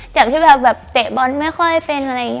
จากที่แบบเตะบอลไม่ค่อยเป็นอะไรอย่างนี้